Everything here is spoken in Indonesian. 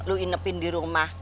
lo inepin di rumah